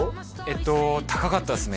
えっと高かったです